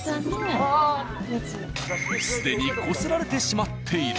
既にこすられてしまっている。